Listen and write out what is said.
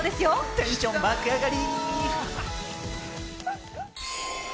テンション爆上がり。